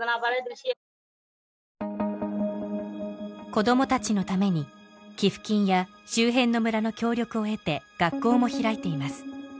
子供たちのために寄付金や周辺の村の協力を得て学校も開いています